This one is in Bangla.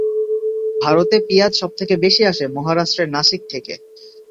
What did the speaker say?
ভারতে পিঁয়াজ সবথেকে বেশি আসে মহারাষ্ট্রের নাসিক থেকে।